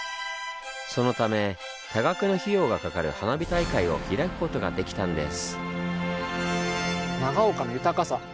そのため多額の費用がかかる花火大会を開くことができたんです。